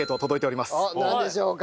おっなんでしょうか？